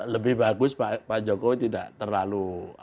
lebih bagus pak jokowi tidak terlalu